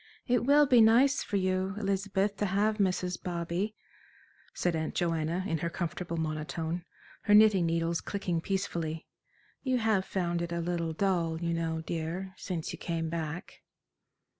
"It will be nice for you, Elizabeth, to have Mrs. Bobby," said Aunt Joanna, in her comfortable monotone, her knitting needles clicking peacefully. "You have found it a little dull, you know, dear, since you came back."